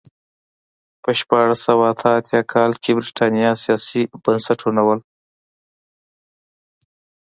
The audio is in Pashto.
په شپاړس سوه اته اتیا کال کې برېټانیا سیاسي بنسټونه وو.